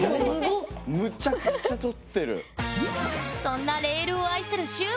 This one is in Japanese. そんなレールを愛するしゅ